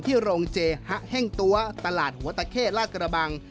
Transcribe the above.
โรงเจฮะแห้งตัวตลาดหัวตะเข้ลาดกระบัง